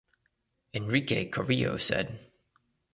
Enrique Carrillo said.